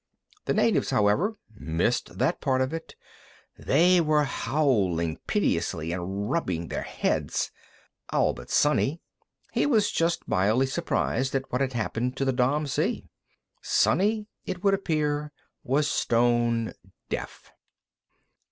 The natives, however, missed that part of it; they were howling piteously and rubbing their heads. All but Sonny. He was just mildly surprised at what had happened to the Dom. C. Sonny, it would appear, was stone deaf.